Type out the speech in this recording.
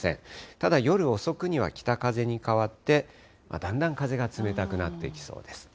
ただ夜遅くには北風に変わって、だんだん風が冷たくなっていきそうです。